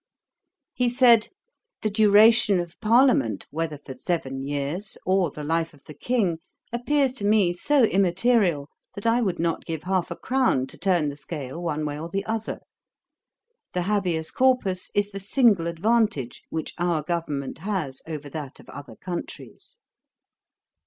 He said, 'The duration of Parliament, whether for seven years or the life of the King, appears to me so immaterial, that I would not give half a crown to turn the scale one way or the other. The habeas corpus is the single advantage which our government has over that of other countries.'